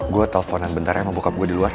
gue telponan bentar ya sama bokap gue di luar